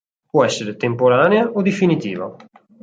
Può essere temporanea o definitiva.